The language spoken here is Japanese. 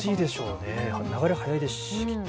流れ速いですし、きっと。